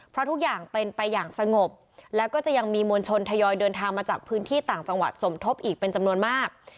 เพราะทุกอย่างเป็นไปอย่างสงบแล้วก็จะยังมีมวลชนทยอยเดินทางมาจากพื้นที่ต่างจังหวัดสมทบอีกเป็นจำนวนมาก